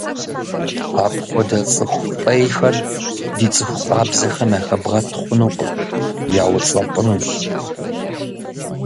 Апхуэдэ цӀыху фӀейхэр ди цӀыху къабзэхэм яхэбгъэт хъунукъым, яуцӀэпӀынущ.